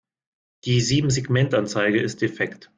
Die Siebensegmentanzeige ist defekt.